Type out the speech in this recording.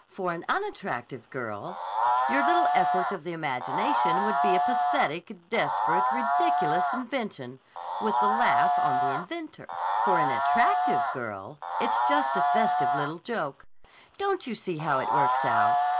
For an unattractive girl, your little effort of the imagination would be a pathetic, desperate, ridiculous invention, with the laugh on the inventor. For an attractive girl, it's just a festive little joke. Don't you see how it works out?